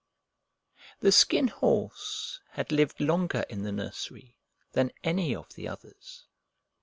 The Skin Horse had lived longer in the nursery than any of the others.